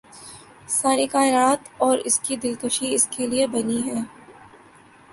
ساری کائنات اور اس کی دلکشی اس کے لیے بنی ہے